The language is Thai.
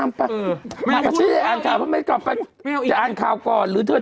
แม่ต้องพูดค่ะเหลือคุณความจริงเหลือคุณความจริงเหลือคุณความจริงแม่ต้องพูดเลย